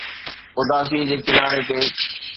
اداسي جي ڪناري تي